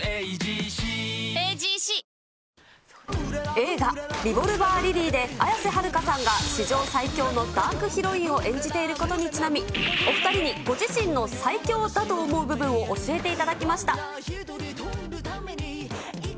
映画、リボルバー・リリーで、綾瀬はるかさんが史上最強のダークヒロインを演じていることにちなみ、お２人にご自身の最強だと思う部分を教えていただきました。